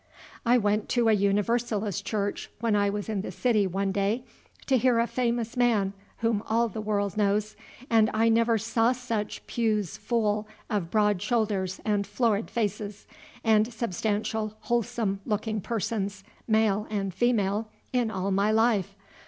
I went to a Universalist church, when I was in the city one day, to hear a famous man whom all the world knows, and I never saw such pews full of broad shoulders and florid faces, and substantial, wholesome looking persons, male and female, in all my life.